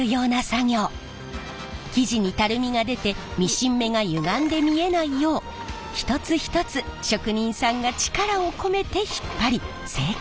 生地にたるみが出てミシン目がゆがんで見えないよう一つ一つ職人さんが力を込めて引っ張り正確な位置に。